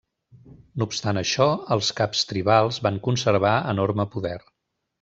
No obstant això, els caps tribals van conservar enorme poder.